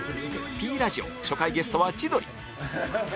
Ｐ ラジオ初回ゲストは千鳥